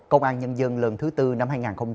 công an nhân dân lần thứ tư năm hai nghìn hai mươi ba